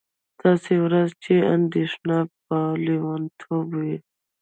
داسې ورځ چې اندېښنه به لېونتوب وي